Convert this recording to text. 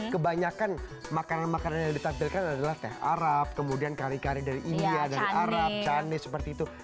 kebanyakan makanan makanan yang ditampilkan adalah teh arab kemudian kari kari dari india dari arab candih seperti itu